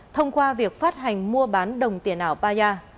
thông qua việc phát hành mua bán đồng tiền ảo paya